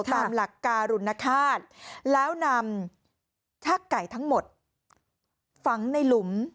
ตามหลักการุณฆาตแล้วนำชักไก่ทั้งหมดฝังในหลุม